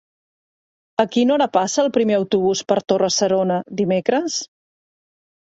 A quina hora passa el primer autobús per Torre-serona dimecres?